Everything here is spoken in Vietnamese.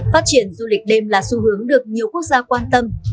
phát triển du lịch đêm là xu hướng được nhiều quốc gia quan tâm